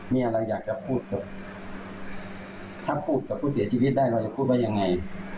เนี่ยเราอยากจะพูดกับถ้าพูดกับผู้เสียชีวิตได้เราจะพูดว่ายังไง